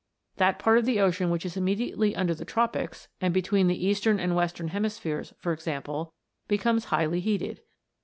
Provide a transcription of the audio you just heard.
That part of the ocean which is immediately under the tropics, and between the eastern and western hemispheres, for example, be comes highly heated.